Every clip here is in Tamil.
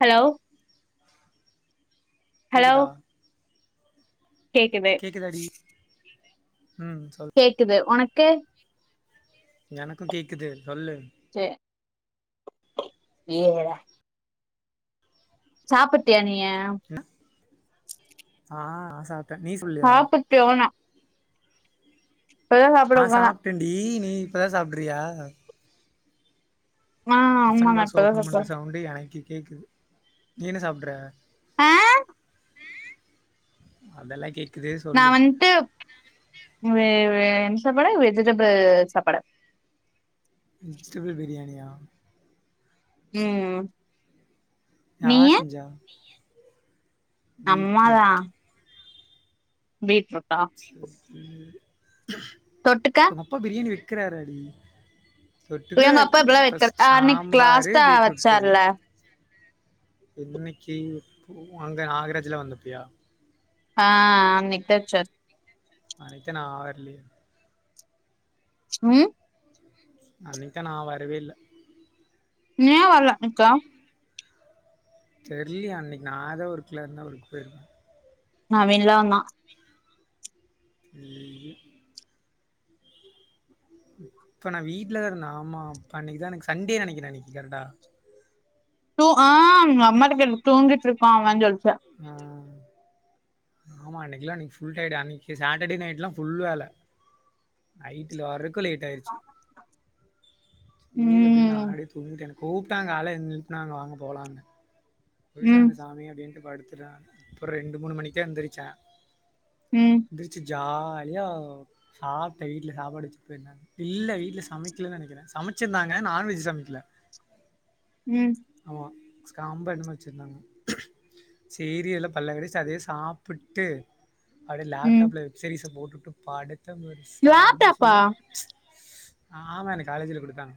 ஹலோ ஹலோ கேக்குதா கேக்குது கேக்குதாடி ம் சொல்லு ஒனக்கு எனக்கு கேக்குது சொல்லு சேர் நீ எங்கடா சாப்புட்டியா நீயு என்ன ஆ சாப் சாப்புட்டியான ஆ உக்காந்தே சாப்டண்டி நீ இப்பதா சாப்டுறியா ஆ ஆமா டிஃபன் நா பாக்ஸ் இப்பதா ஓபன் பண்ற சாப்ட சவுண்டு எனக்கு கேக்குது நீ என்ன சாப்டுற ஆ அதெலா கேக் நா வன்ட்டு ஒரு ம் சாப்பாடு வெஜிடபிள் சாப்பாடு வெஜிடபிள் பிரியாணியா ம் நீயி யார் செஞ்சா பீட்ருட் பீட்ருட் தொட்டுக்க ப்ப உங்கப்பா பிரியாணி விக்கறாராடி எங்கப்பா இப்பெலா வெக்கற ஆ அன்னைக் லாஸ்டா வச்சார்ல என்னைக்கு பு அங்க நாகராஜ்லா வந்தப்பியா ஆ அன்னைக்த வெச்சார் அன்னிக்தா நா வர்லியே ம் அன்னிக்தா நா வரவே இல்ல ஏ வர்ல அன்னைக்கு தெர்லியே அன்னைக்கு நா எதோ ஒர்க்ல இருந்த அவுருக்வே இல்ல நவீன்லா இருந்தா லியு அப்ப நா வீட்லதா இருந்தே ஆமா அப் அன்னைக்குதா எனக்கு சண்டே நெனைக்கிறே அன்னைக்கு கரெக்டா ஒ ஆ உங்கம்மாட் கேட் தூங்கிட்ருக்கா அவன் சொல்ச்சு ஆ ஆமா அன்னைக்லா எனக்கு ஃபுல் டயர்டு அன்னைக்கு சாட்டர்டே நைட் எல்லா ஃபுல் வேல நைட்ல வரக் கு லேட் ஆயிருச்சு சேரி அப்டின் நா ம் அப்டியே தூங்கிட்ட எனக் கூப்டாங்க கால எந்ரிச்சுனா வாங்க போலானு போய்ட்டு ம் வாங்க சாமி அப்டின்ட்டு படு த்துட்ட அப்ற ரெண்டு மூணு மணிக்குதா எந்ரிச்ச ம் எந்ரிச்சு ஜா லியா சாப்ட்ட வீட்ல சாப்பாடு வச்சுட் போயிருந்தாங்க இல்ல வீட்ல சமைக்லன் நெனைக்றே சமைச்சிருந்தாங்க நான்வெஜ் சமைக்ல ம் ஆமா ஸ்காம்போ என்னமோ வெச்ருந்தாங்க சேரி எல்லா பல்ல கடிச்ட்டு அதயே சாப்புட்டு அப்டியே ம் லேப்டாப்ல வெப்சீரிஸ போட்டுட்டு படுத்தம்பாரு செம லேப்டாப்பா சுக ஆமா எனக்கு காலேஜ்ல குடுத்தாங்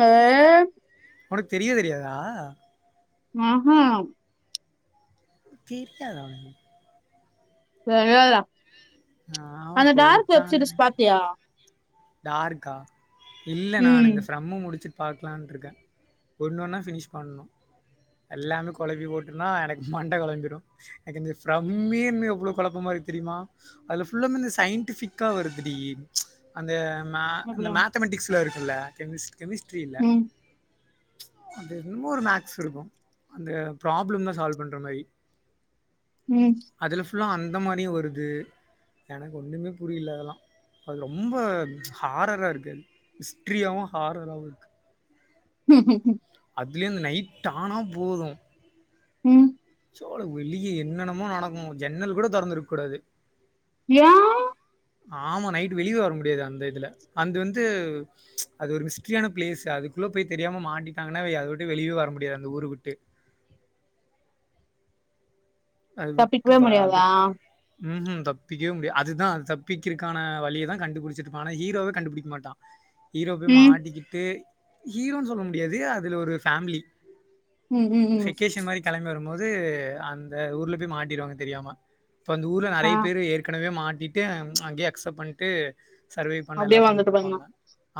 ஏ உனக்கு தெரியே தெரியாதா ஏ ஹே [unintelligible] தெரிவேல ஆமா அந்த டார்க் குடுத்தானுங்க வெப்சீரிஸ் பாத்தியா டார்க்கா இல்ல ம் நானிந்த ஃப்ரம்ம முடிச்சு பாக்கலான்ரிக்கே ஒன்னொன்னா ஃபினிஷ் பண்ணணு எல்லாமே கொழம்பி போட்டுனா எனக்கு மண்ட கொழம்பிடு எனக்கு ஃபிரமீன் எவளவு கொழப்பமா ரிக் தெரியுமா அது சயின்டிபிக்கா வருது அந்த மே அந்த அப்டியா மேத்தமெட்டிக்ஸில் இருக்குல்ல கெமிஸ்ட கெமிஸ்ட்ரி இல்லை ம் அது என்னமோ ஒரு மேக்ஸ் இருக்கு அந்த ப்ராப்ளம் தா சால்வ் பண்ற மாரி ம் அதுல ஃபுல்லா அந்த மாரியு வருது எனக்கு ஒன்னுமே புரியல அதெல்லா அது ரொம் ரொம்ப ஹாரரா இருக்கு அது ஹிஸ்ட்ரியாவவு ஹாரரவு இருக்கு ஹம்ம் அப்பலயே அந்த நைட் ஆனா போது ம் சோழ வெளியே என்னென்னமோ நடக்கு ஜன்னல் கூட தெறந்து இருக்க கூடாது ஏ ஆமா நைட் வெளியே வர முடியாது அந்த இதுல அந்த வந்து அது ஒரு மிஸ்டரியான பிளேஸ் அதுக்கு உள்ள போய் தெரியாம மாட்டாங்கன்னாவை அத விட்டு வெளியே வரடியாது அந்த ஊரு விட்டு அது விட்டு தப்பிக்கவே வா அது முடியாதா ம் ம் தப்பிக்கவே முடியா அதுதா அது தப்பிக்கருக்கான வழியை தா கண்டுபிடிச்சிருப்பா ஆனா ஹீரோவே கண்டுபுடிக்க மாட்டா ஹீரோ போய் ம் மாட்டிக்கிட்டு ஹீரோன்னு சொல்ல முடியாது அதில ஒரு ஃபேமிலி ம் ம் ம் செக்கேஷன் மாரி கிளம்பி வருபோது அந்த ஊர்ல போய் மாட்டிடுவாங்க தெரியாம அந்த ஊர்ல ஆ நெறைய பேர் ஏற்கனவே மாட் டிடு அங்கயே அக்சப்ட் பண்ணிட்டு சர்வே பண்ண அப்டியே எல்லா வந்துட்டு பாருங்க பண்ணிருப்பாங்க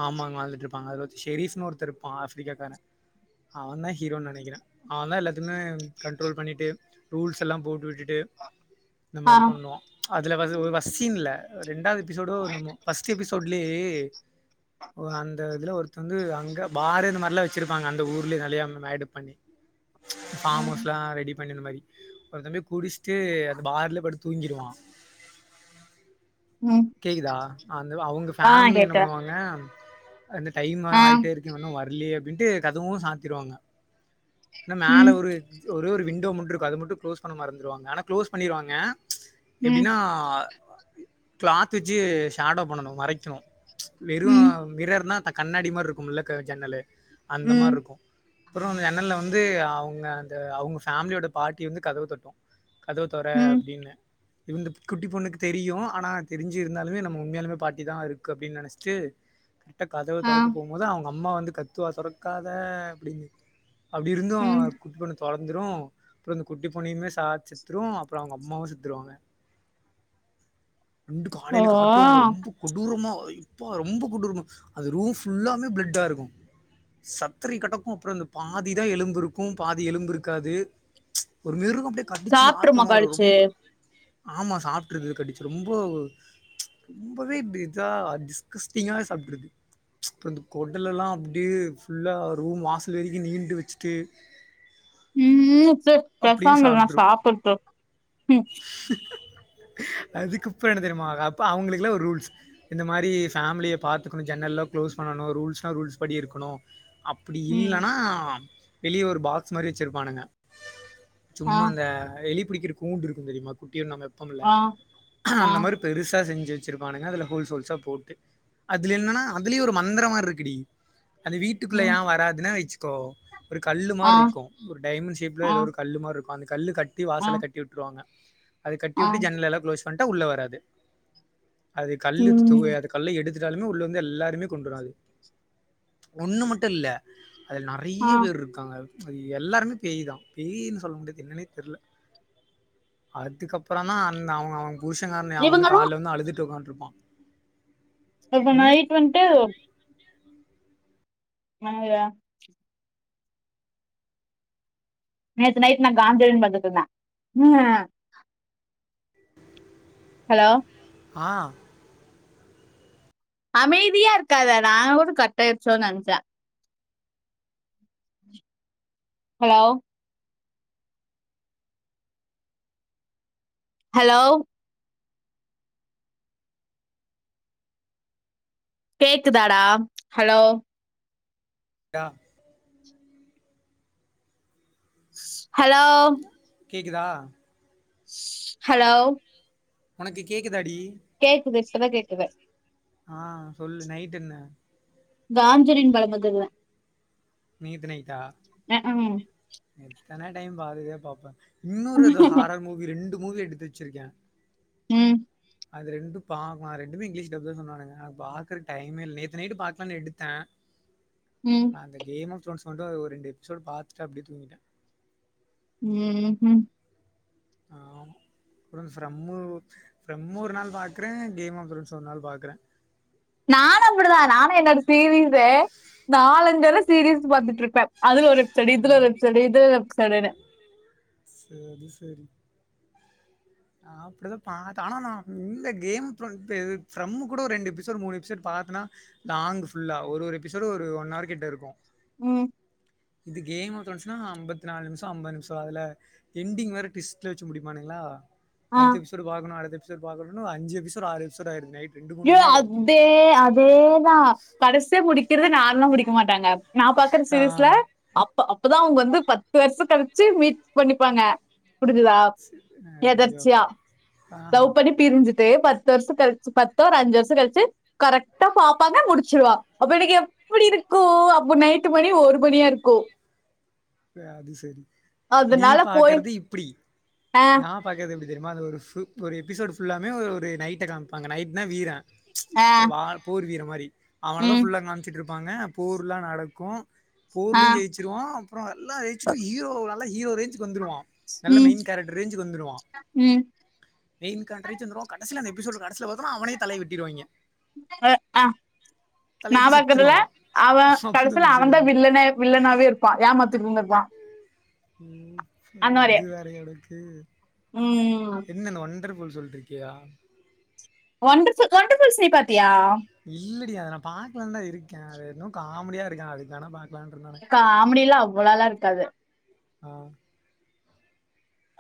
ஆமாங்க அது இருப்பாங்க அதுல ஷரீப்னு ஒருத்தர்ப்பா ஆஃப்பரிக்காக்காரே அவ தா ஹீரோனுு நெனைக்கிறே அவ தா எல்லாத்துமே கண்டட்ரோல் பண்ணிட்டு ரூல்ஸ் எல்லா போட்டு விட்டுட்டு இந்த ஆ மாதிரி பண்ணுவா அதுல வ ஒரு வஃசின்ல ரெண்டாவது எபிசோடோ நம்மோ ஃப்பஸ்ட் எபிசோட்லயை அந்த இதுல ஒரு வந்து அங்க பாரே இந்த மாரிலா வெச்சிருப்பாங்க அந்த ஊர்லேயே கல்யாணோநாயுடு பண்ணி ஃபாம் ம் ஹவுஸ் எல்லா ரெடி பண்ணி அந்த மாரி ஒரு தம்பி குடிச்சுடே அந்த பார்ல படுத் தூங்கிருவா ம் கேக்குதா அந்த அவங்க ஆ ஃபேமிலி என்ன கேக்குது பண்ணுவாங்க அந்த டைம் ஆ ஆயிட்டே இருக்க இன்னு வரலயை அப்டின்ட்டு கதவு சாத்திருவாங்க ஏனா ம் மேல ஒரு ஒரே ஒரு விண்டோ மட்டு இருக்கு அது மட்டு க்ளோஸ் பண்ண மறந்துருவாங்க ஆனா க்ளோஸ் பண்ணிருவாங்க ம் எப்டின்னா கிளாத் வெச்சு ஷேடோ பண்ணணு மரைக்கு வெறு ம் மிரர் நா அந்த கண்ணாடி மாரி இருக்கு முல்ல க ஜன்னலு அந்த மாரி ம் இருக்கு அப்றோ ஜன்னல்லல வந்து அவங்க அந்த அவங்க ஃபேமிலியோட பாட்டி வந்து கதவ தட்டு கதவே தர ம் அப்டின்னு இந்த குட்டி பொண்ணுக்கு தெரியு ஆனா தெரிஞ்சிருந்தாலுமே நம்ம உண்மையலுமே பாட்டி தா இருக்கு அப்படின்னு நெனச்சிட்டு க கதவு ஆ தொரக்கு போகு போது அவங்க அம்மா வந்து கத்துவா தொரக்காத அப்டின்னு அப்டி இருந்து ம் குட்டிபொண்ணு தொரந்துரு அப்றோ இந்த குட்டி பொண்ணையுமே சா செத்துரு அப்றோ அவங்க அம்மாவு செத்துருவாங்க ரெண்டு ஓ காலையில காட்டுவாங்க ரொம்ப கொடூரமா இப்போ ரொம்ப கொடூரோம்மா இருக்கு அது ரூம் புல்லாமே பிளடா இருக்கு சத்தரி கட்டக்கு அப்றோ இந்த பாதிதா எலும்பு இருக்கு பாதி எலும்பு இருக்காது ஒரு மிருகோ அப்டியே கடிச்சு சாப்ட்ட சாப்ட்ருமா மாரி கடிச்சு ரொம்ப ஆமா சாப்ட்ருக்குது கடிச்சு ரொம்ப ரொம்பவே இப்டி இருந்தா டிஸ்கஸ்டிங்காவ சாப்டிக்கு இப்ப இந்த கொடல எல்லா அப்டியே ஃபுல்லா ரூம் வாசல் வரைக்கு நீண்டு வெச்சுட்டு ம் செர் டே பேசாம இர்டா நா சாப்பிட்ரும். சாப்பட்டு அதுக்குப்ப என்ன தெரியுமா அப்ப அவங்களுக்குளா ஒரு ரூல்ஸ் இந்த மாரி ஃபேமிலிய பாத்துக்கணு ஜன்னல்ல குளோஸ் பண்ணணு ரூல்ஸ்னா ரூல்ஸ் படி இருக்கணு அப்டி ம் இல்லன்னா வெளிய ஒரு பாக்ஸ் மாரி வச்சிருப்பானுங்க. ஆ சும்மா அந்த எலி புடிக்கிற கூண்டு இருக்கும் தெறிமா டியு நம்ம எப்பம்ல ஆ ஆ அந்த மாரி பெருசா செஞ் சு வச்சுருப்பானுங்க அதுல ஹோல்ஷோல்ஸா போட்டு அதுல என்னனா அதுலயு ஒரு மந்திரமா இருக்குடி அந்த வீட்டுக்குள்ள ஏ ம் வராதுன்னா வச்சுக்கோ ஒரு கல்லு ஆ மார்ருக்கு ஒரு டைமண்ட் ஷேஃப் புல ஆ எதோ ஒரு கல்லு மார்ருக்கு அந்த கல்லு கட்டி ஆ வாசல கட்டி விட்டுருவாங்க. அது கட்டி ஆ வுட்டு ஜன்னல் எல்லா க்ளோஸ் பண்ட்டா உள்ள வராது அது கல் த்துவ ம் அது கல்ல எடுத் த்துட்டாலுமே உள்ள வந்து எல்லாருமே கொன்று அது ஒன்னு மட்டு இல்ல அதுல நெறைய ஆ பேர் இருக்காங்க அது எல்லாருமே பேயுதா பேய்னு சொல்ல முடியாது என்னன்னே தெர்ல அதுக்கப்பறந்தா அந்த அவங்க அவங் புருஷங்காரன அவன் வந்து இவங்கல்லா கால்ல வந்து அழுதுட்டு உக்காண்ட்ருப்பா எப்ப நைட் வந்ட்டு [unintelligible] நேத்து நைட் நா காஞ்சுரின் பாத்துட்டுருந்த ம் ஹலோ ஆ அமைதியா இருக்காதடா ஒரு நிம்ஷோ கட்டாய்டுச்சோன் நெனச்சே ஹலோ ஹலோ கேக்குதாடா ஹலோ டா ஹலோ கேக்குதா? ஹலோ ஒனக்கு கேக்குதாடி கேக்குது டிஷ்டபா கேக்குது ஆ சொல்லு நைட்டென்ன காஞ்சுரின் படொ பாத்துருந்த நேத்து நைட்டா அஹா ஹும் தென டைம் பாத்ததயே பாப்ப இன்னோரு அது ஹாரர் மூவி ரெண்டு மூவி எடுத்து வச்சிருக்கே ம் அது ரெண்டு பாக்வ அ ரெண்டுமே இங்கிலீஷ் டப்புத சொன்னானுங்க பாக்குற டைமே இல் நேத்து நைட்டு பாக்கலானு எடுத்தே ம் அந்த கேம் ஆஃப் த்ரோன்ஸ் வந்து ஒ ஒரு ரெண்டு எபிசோடு பாத்துட்டு அப்டியே தூங்கிட்ட ம்ஹும் அப்றோ ஃப்ரம்மு ஃப்ரம்மு ஒரு நாள் பாக்குறே கேம் ஆஃப் த்ரோன்ஸ் ஒரு நாள் பாக்குற நானு அப்டிதா நானு என்னோட சீவிங்சு நாலஞ்சு தடவ சீரீஸ் பாத்துட்டுருப்பே அதுல ஒரு எப்சோடு ஆ இதுல ஒரு எப்சோடு இதுல எப்சோடுன்னு செரி செரி நா அப்டிதா பாத் ஆனா நா இந்த கேம்மு த்ரோன் பெ இது ஃப்ரம்மு கூட ஒரு ரெண்டு எபிசோடு மூணு எபிசோடு பாத்த னா லாங் ஃபுல்லா ஒரு ஒரு எபிசோடு ஒரு ஒன் ஆர் கிட்ட இருக்கு ம் இது கேம் ஆஃப் த்ரோன்ஸுன்னா அம்பத்தி நாலு நிமிஷோ அம்பது நிமிஷோ அதுல எண்டிங் வேற டிவிஷ்ட்ல வச்சு முடிப்பானுங்களா ஆ. அடுத்த எபிசோடு பாக்கனு அடுத்த எபிசோடு பாக்கனுன் ஒரு அஞ்சு எபிசோடு ஆறு எபிசோடு ஆயிடுது நைட் ரெண்டு மூணு யோ மணி ஆயிருது அதே தூங்குறதுக்கு அதேதா கடைசியா முடிக்கிறது நார்மல்லா முடிக்க மாட்டாங்க நா பாக்ற சீரீஸ்ல ஆ அப் அப்பதா அவுங்க வந்து பத்து வருஷோ கழிச்சு மீட் பண்ணிப்பாங்க புரிஞ்சிதா ஐயோ எதர்ச்சியா ஆஹா லவ் பண்ணி பிரிஞ்சி ட்டு பத்து வருஷோ கழிச்சு பத்தோ ஒரு அஞ்சு வருஷ கழிச்சு கரெக்டா பாப்பாங்க முடிச்சுடுவா அப்ப எனக்கு எப்டி எப்டி இருக்கு அப்போ நைட்டு மணி ஒரு மணியா இருக்கு அது சரி நீ அதனால போய் பாக்கறது இப்டி ஆ நா பாக்கறது எப்டி தெரியுமா அந்த ஒரு ஃபுல் ஒரு எபிசோடு் ஃபுல்லாமே ஒரு நைட்ட காமிப்பாங்க நைட்னா வீர ஆ வார் போர்வீர மாரி அவனதா ம் ஃபுல்லா காமிச்சிட்டு இருப் ப்பாங்க போர்லா நடக்கு ஆ போர்லியு ஜெயிச்சுருவா அப்பறோ எல்லா ஏய்சுட்டு ஹீரோ நல்ல ஹீரோ ரேஞ்சு வந்துருவா நல்ல ம் மெயின் கேரக்டர் ரேஞ்சுக்கு வந்துருவா ம் மெயின் கே ரேன்ஞ் வந்துருவா கடசில கடசில பாத்தான அவனயே தலய வெட்டிருவாய்ங்க ஆ தலைய நா வெட்டி பாக்கறதுல செத்துருவா அவ அப்டிதா கடைசில அவன்தா முடிச்சிருவாய்ங்க வில்லனே வில்லனாவே இருப்பா ஏமாத் திருந்திர்ப்பா ம் இது வேறயா நடக்கு ம் என்ன இந்த ஒண்டர்ஃபுல் சொல் ருக்கியா ஒண்டர்ஃபுல் ஒண்டர்ஃபுல்ஸ் நீ பாத்தியா இல்லடி அத நா பாக்கலாதா இருக்க அது இன்னு காமெடியா இருக்கா அதுக்கு வேணா பாக் காமடிலா அவ்வளலா இருக்காது ஆஹ்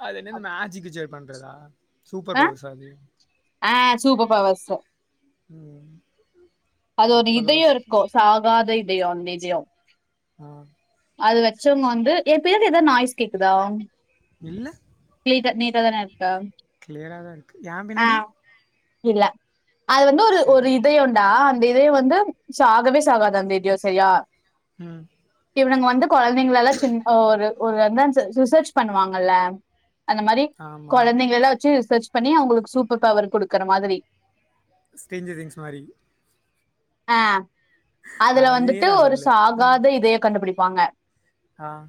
அது என்னது மேஜிக்கு ஜே பண்றதா சூப்பர் அ பவர்ஸா அது? ஆஹ் சூப்பர் பவர்ஸு உம் அது ஒரு இதயோ இருக்கு சாகாத இதயோ அந்த இதயோ ஆ. அது வச்சவங்க வந்து ஏ பேர்ல எதது நாய்ஸ் கேக்குதா இல்ல. நீட்டா நீட்டா தான இருக்கு கிளியரா தான் இருக்கு. என் பின்னாடி? ஆஹ் இல்ல அது வந்து ஒரு ஒரு சரி. இதயோ டா அந்த இதயோ வந்து சாகவே சாகாத அந்த இதயோ சரியா உம் இவனுங்க வந்து கொழந்தைங்கள எல்லா சின்ன ஒரு ஒரு என்னன்னு ரிசர்ச் பண்ணுவாங்கல்ல அந்த மாரி ஆமா. கொழந்தைங்கள எல்லா வச்சு ரிசர்ச் பண்ணி அவுங்களுக்கு சூப்பர் பவர் குடுக்குற மாதிரி ஸ்டேஞ்சர் திங்ஸ் மாரி அஹ் அதுல வந்துட்டு அதேதான் ஒரு சொல்லு. சாகாத இதையோ கண்டுபிடிப்பாங்க ஆஹ்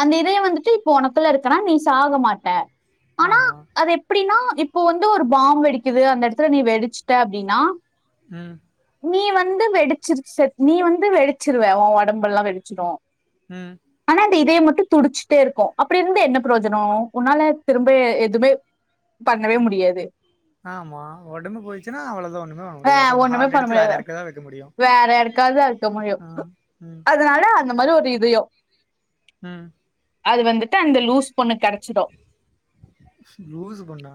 அந்த இதயோ வந்துட்டு இப்ப ஒனக்குல்ல இருக்கனா நீ சாக மாட்ட ஆனா ஆமா. அது எப்டின்னா இப்போ வந்து ஒரு பாம் வெடிக்குது அந்த எடத்துல நீ வெடிச்சுட்ட அப்டின்னா உம் நீ வந்து வெடிச்சுறுச்சு செத் நீ வந்து வெடிச்சிருவ ஓ ஒடம்பெல்லா வெடிச்சிரு உம் இதயோ மட்டு துடிச்சுட்டே இருக்கு அப்டி இருந்து என்ன ப்ரோஜனோ உன்னால திரும்ப எதுமே பண்ணவே முடியாது ஆமா ஒடம்பு போயிச்சுன்னா அவ்வளவுதா ஒண்ணுமே பண்ண முடியாது ஆஹ் அப்ப இந்த ஹார்ட் எடுத்து வேற யாருக்கா தா வெக்க முடியு யாருக்காதா வெக்க முடியு அ அதனால அந்த மாரி ஒரு இதயோ அஹ் அது வந்துட்டு அந்த லூஸ் பொண்ணுக் கெடச்சிடு லூசு பொண்ணா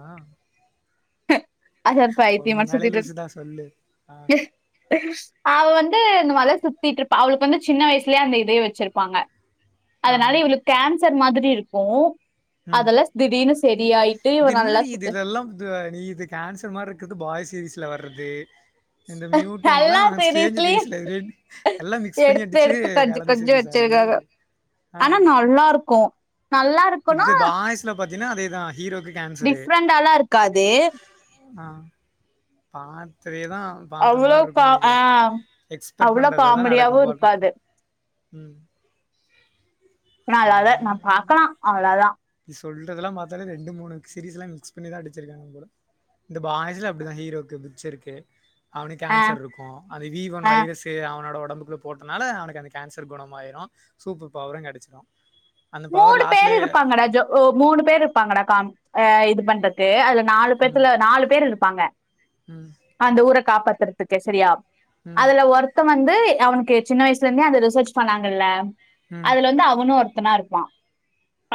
[inaudible] பைத்தியமாட்டு பொண்ணாலே சுத்திட்டு இருக்கு. லூசுதா சொல்லு ஆஹ் அவ வந்து இந்த வல சுத்திட்டு இருப்பா அவளுக்கு வந்து சின்ன வயசுலே அந்த இதயோ வச்சிருப்பாங்க ஆ அதனால இவளுக்கு கேன்சர் மாதிரி இருக்கு ம் அதெல்லா ஸ் திடீர்னு செரியாயிட்டு இவ நல்லா சுத்து கேன்சர் மாரிருக்குது பாய் சீரீஸ்ல வர்றது இந்த மியூட்டெண்ட்லா நல்லா ஸ்டேஞ்ஜர் சீரியஸ்லி திங்க்ஸ்ல ரெண் எல்லா மிக்ஸ் பண்ணி எடுத்து அடிச்சு எடுத்து கொஞ்சம் கலந்து கொஞ்சம் செரி சார் அது வச்சிருக்காங்க ஆனா நல்லாருக்கு நல்லாருக்குனா பாத்தினா அதேதா ஹீரோக்கு கேன்சரு டிஃப்ரெண்டாலாருக்காது ஆ பாத்து இதேதா பாத்த அவ்வளோ கா மார்ருக்கு ஆ நெனைக்கிறே எக்ஸ்பெக்ட் அவ்வளோ பண்றததா காமெடியாவு நடக்கும் போல்ருக்கு இருக்காது உம் நல்லாதா நா பாக்கலா அவ்ளதா சொல்றதெலாம் பத்தாலே ரெண்டு மூனு சீரிஸ்லாம் மிக்ஸ் பண்ணிதா அடிச்சிருக்காங்க போல இந்த பாய்ஸ்லா அப்டிதா ஹீரோக்கு புஃச்சருக்கு அவனுக் ஆ கேன்சர்ருக்கு அந்த வி ஒன் ஆ வைரஸ்சு அவனோட ஒ ஒடம்புக்குள்ள போட்டனால அவனுக்கு அந்த கேன்சர் குணமாயிரு சூப்பர் பவரு கெடச்சிரு அந்த பவர் மூனு பேரு லாஸ்ட்லயே இருப்பாங்கடா ஜோ ஓ மூனு பேரு இப்பாங்கடா காம் அ இது பண்றக்கு அதுல நாலு ம் பேத்துல நாலு பேர் இருப்பாங்க ம் அந்த ஊர காப்பாத்துறதுக்கு செரியா ம் அதல ஒருத்த வந்து அவனுக்கு சின்ன வய்ஸ்லந்தே அந்த ரிசர்ச் பண்ணாங்கல்ல ம் அதுல வந்து அவனு ஒருத்தனாருப்பா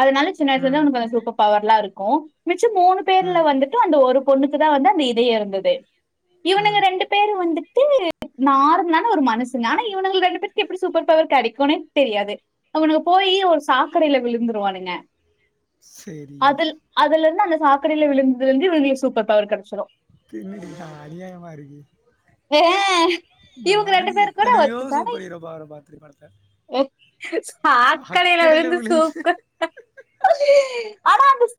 அதனால சின்ன வயசுலந்து ம் அவனுக்கு அந்த சூப்பர் பவர்லா இருக்கு மிச்சம் மூனு பேர்ல ம் வந்துட்டு அந்த ஒருப் பொண்ணுக்குதா வந்து அந்த இதயருந்தது இவனுங்க ம் ரெண்டு பேரு வந்துட்டு நார்மலான ஒரு மனுசங்க ஆனா இவனுங்கள் ரெண்டு பேருக்கு எப்பிடி சூப்பர் பவர் கெடைக்குனே தெரியாது அவனுக்கு போய் கீழ ஒரு சாக்கடைல விழுந்துருவானுங்க சேரி அதுல் அதுலருந்து அந்த சாக்கடைல விழுந்துதுலந்து இவனுங்களுக்கு சூப்பர் பவர் கெடச்சிரு தின்னுடுக்கா அநியாயமாருக்கு ஏ இவங்க நானு பேர் கூட எத்தனையோ ஒத்துப்பாங்க. சூப்பர் ஹீரோ பற பட பாத்தே படத்த சக்கடையில விழுந்து சூப்பர் ஆனா அந்தஸ்